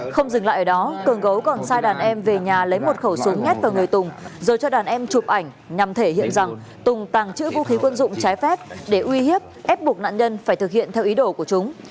không dừng lại ở đó cường gấu còn sai đàn em về nhà lấy một khẩu súng nhát vào người tùng rồi cho đàn em chụp ảnh nhằm thể hiện rằng tùng tàng trữ vũ khí quân dụng trái phép để uy hiếp ép buộc nạn nhân phải thực hiện theo ý đồ của chúng